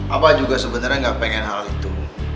abah juga sebenernya gak pengen hal itu